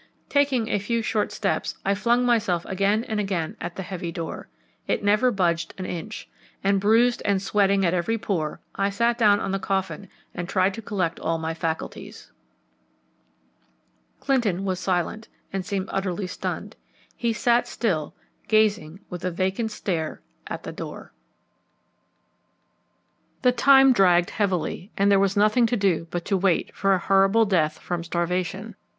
Taking a few short steps, I flung myself again and again at the heavy door. It never budged an inch, and, bruised and sweating at every pore, I sat down on the coffin and tried to collect all my faculties. Clinton was silent, and seemed utterly stunned. He sat still, gazing with a vacant stare at the door. The time dragged heavily, and there was nothing to do but to wait for a horrible death from starvation.